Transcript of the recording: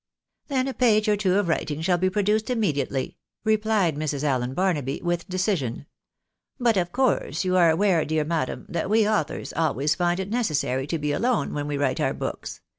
" Then a page or two of writing shall be produced immediately," replied Mrs. Allen Barnaby with decision. " But of course, you are aware, dear madam, that we authors always find it necessary to be alone when we write our books.